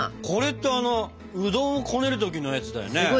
これってうどんをこねるときのやつだよね。